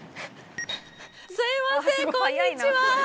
すいませんこんにちは！